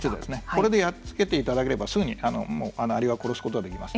これでやっつけていただければすぐにアリは殺すことはできます。